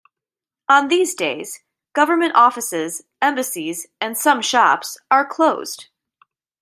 On these days, government offices, embassies and some shops, are closed.